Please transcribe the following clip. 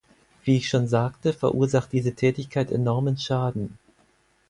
Wie ich schon sagte, verursacht diese Tätigkeit enormen Schaden.